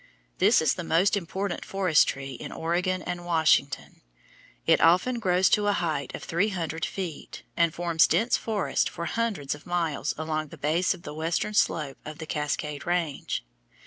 This is the most important forest tree in Oregon and Washington. It often grows to a height of three hundred feet, and forms dense forests for hundreds of miles along the base and western slope of the Cascade Range.